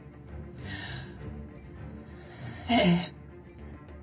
ええ。